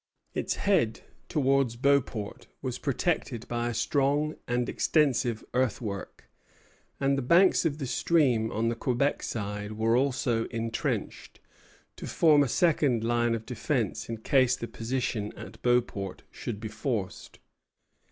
Its head towards Beauport was protected by a strong and extensive earthwork; and the banks of the stream on the Quebec side were also intrenched, to form a second line of defence in case the position at Beauport should be forced.